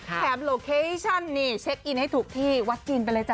โลเคชั่นนี่เช็คอินให้ถูกที่วัดจีนไปเลยจ้